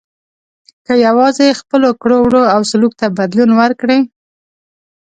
که یوازې خپلو کړو وړو او سلوک ته بدلون ورکړي.